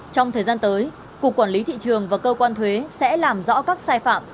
trong thời gian tới cục quản lý thị trường và cơ quan thuế sẽ làm rõ các sai phạm